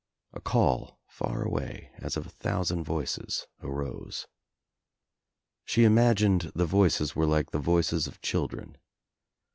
A call, far away, as of a thousand voices arose. She imagined the voices were like the voices of children.